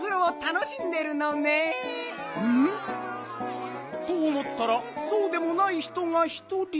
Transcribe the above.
うん？とおもったらそうでもない人がひとり。